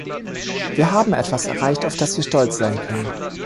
Wir haben etwas erreicht, auf das wir stolz sein können.